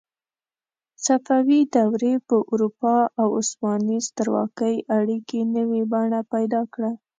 صفوي دورې په اروپا او عثماني سترواکۍ اړیکې نوې بڼه پیدا کړه.